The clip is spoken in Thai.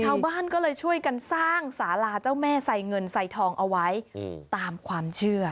ชาวบ้านก็เลยช่วยกันสร้างสาราเจ้าแม่ไซเงินไซทองเอาไว้ตามความเชื่อ